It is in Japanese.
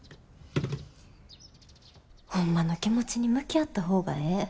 ホンマの気持ちに向き合った方がええ。